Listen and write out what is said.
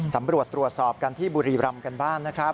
ตำรวจตรวจสอบกันที่บุรีรำกันบ้านนะครับ